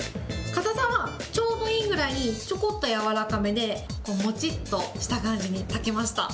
硬さはちょうどいいぐらいにちょこっと軟らかめで、もちっとした感じに炊けました。